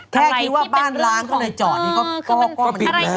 แค่คิดว่าบ้านล้างเขาในจอดนี้ก็ปิดแล้ว